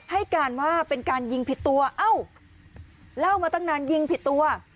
ให้การว่าเป็นการยิงผิดตัวเอ้าเล่ามาตั้งนานยิงผิดตัว